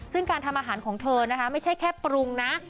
ซึ่งการทำอาหารของเธอนะคะไม่ใช่แค่ปรุงนะ